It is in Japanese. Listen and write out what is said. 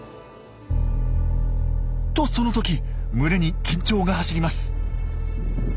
とその時群れに緊張が走ります。